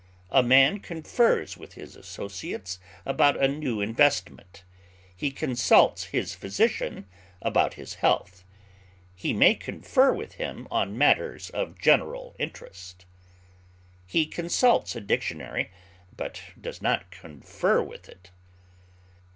A man confers with his associates about a new investment; he consults his physician about his health; he may confer with him on matters of general interest. He consults a dictionary, but does not confer with it.